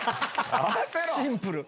シンプル。